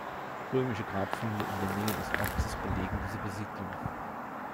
Römische Grabfunde in der Nähe des Ortes belegen diese Besiedlung.